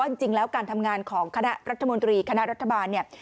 จริงแล้วการทำงานของคณะรัฐมนตรีคณะรัฐบาลเนี่ย